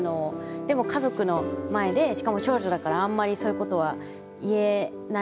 でも家族の前でしかも長女だからあんまりそういうことは言えないな